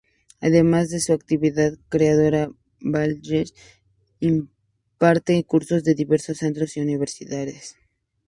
Además de su actividad creadora, Balcells imparte cursos en diversos centros y universidades.